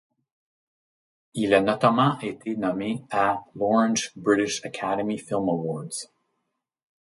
Il a notamment été nommé à l'Orange British Academy Film Awards.